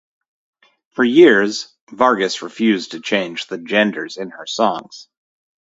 For years Vargas refused to change the genders in her songs.